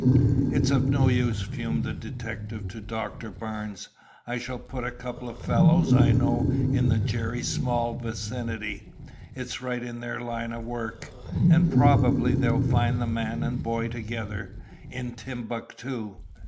"It's of no use," fumed the detective to Doctor Barnes; "I shall put a couple of fellows I know in the Jerry Small vicinity; it's right in their line of work, and probably they'll find the man and boy together in Timbuctoo."